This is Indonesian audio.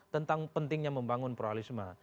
tentang pentingnya membangun pluralisme